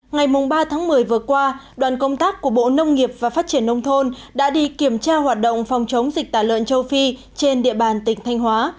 ngày ba tháng một mươi vừa qua đoàn công tác của bộ nông nghiệp và phát triển nông thôn đã đi kiểm tra hoạt động phòng chống dịch tả lợn châu phi trên địa bàn tỉnh thanh hóa